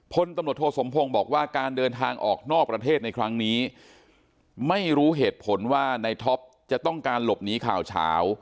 พลตำรวจโทสมพงศ์บอกว่าการเดินทางออกนอกประเทศในครั้งนี้ไม่รู้เหตุผลว่าในท็อปจะต้องการหลบหนีข่าวเฉา